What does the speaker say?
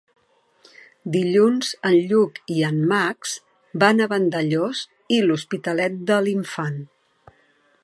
Dilluns en Lluc i en Max van a Vandellòs i l'Hospitalet de l'Infant.